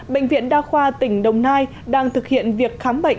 bệnh viện đa khoa tỉnh đồng nai đang thực hiện việc khám bệnh